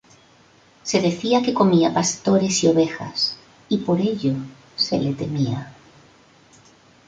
Se decía que comía pastores y ovejas, y por ello se le temía.